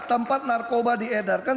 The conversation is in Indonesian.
tempat narkoba diedarkan